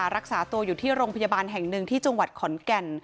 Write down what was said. รักษาตัวอยู่ที่โรงพยาบาลแห่งหนึ่งที่จังหวัดขอนแก่น